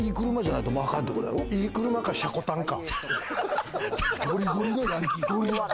いい車かシャコタンか。